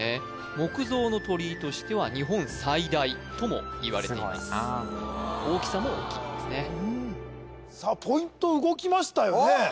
木造の鳥居としては日本最大ともいわれています・すごいなあ大きさも大きいですねさあポイント動きましたよねおっ！